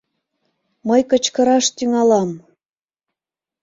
Мый кычкыраш тӱҥалам!..